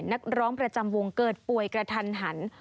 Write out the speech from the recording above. นักร้องประจำวงเกิดป่วยกระทันหัน